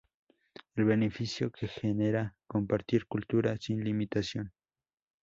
El beneficio que genera compartir cultura sin limitación